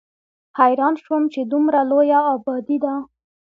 حېران شوم چې دومره لويه ابادي ده